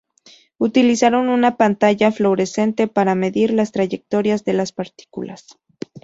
Utilizaron una pantalla fluorescente para medir las trayectorias de las partículas.